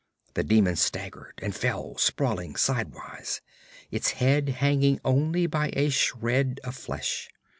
The demon staggered and fell sprawling sidewise, its head hanging only by a shred of flesh.